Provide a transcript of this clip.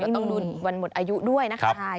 แล้วต้องดุนวันหมดอายุด้วยนะ